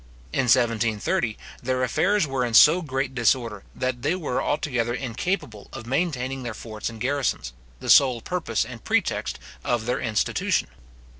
In 1730, their affairs were in so great disorder, that they were altogether incapable of maintaining their forts and garrisons, the sole purpose and pretext of their institution.